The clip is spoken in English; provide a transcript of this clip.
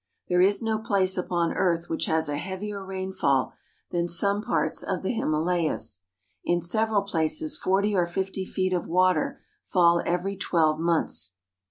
There is no place upon earth which has a heavier rainfall than some parts of the Himalayas. In several places forty or fifty feet of water fall every twelve months.